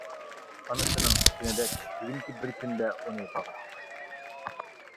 ئانىسىنىڭ كۈتكىنىدەك بۈگۈنكى بىر كۈندە ئۇنى باغرىغا باستى.